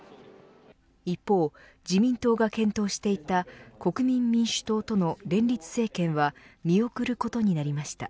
一方、自民党が検討していた国民民主党との連立政権は見送ることになりました。